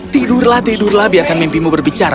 tidurlah tidurlah biarkan mimpimu berbicara